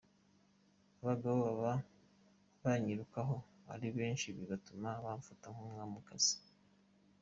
Abagabo baba banyirukaho ari benshi bigatuma bamfata nk’umwamikazi.